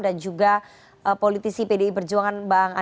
dan juga politisi pdi perjuangan mbak angga